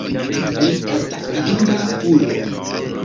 Li estas fidinda ulo.